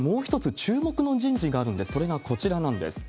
注目の人事があるんです、それがこちらなんです。